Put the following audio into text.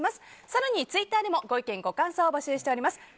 更にツイッターでもご意見、ご感想を募集しています。